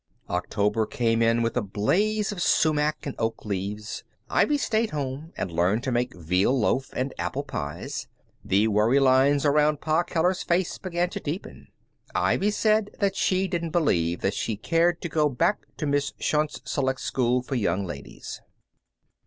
October came in with a blaze of sumac and oak leaves. Ivy stayed home and learned to make veal loaf and apple pies. The worry lines around Pa Keller's face began to deepen. Ivy said that she didn't believe that she cared to go back to Miss Shont's select school for young ladies.